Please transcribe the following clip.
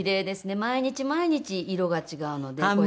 毎日毎日色が違うので。